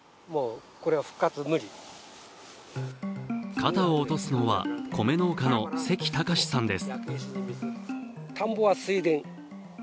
肩を落とすのは、米農家の関隆さんです。